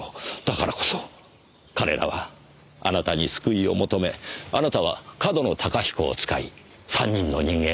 だからこそ彼らはあなたに救いを求めあなたは上遠野隆彦を使い３人の人間を殺させた。